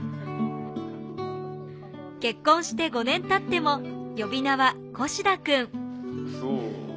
結婚して５年経っても呼び名は「越田君」。